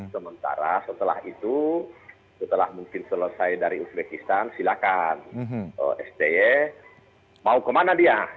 sementara setelah itu setelah mungkin selesai dari uzbekistan silakan sti mau kemana dia